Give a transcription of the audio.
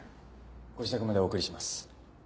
ご自宅までお送りします。